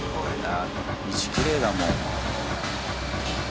道きれいだもん。